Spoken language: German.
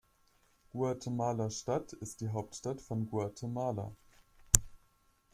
Guatemala-Stadt ist die Hauptstadt von Guatemala.